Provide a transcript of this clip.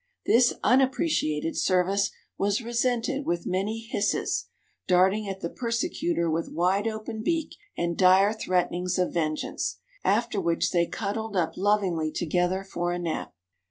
This unappreciated service was resented with many hisses, darting at the persecutor with wide open beak and dire threatenings of vengeance, after which they cuddled up lovingly together for a nap.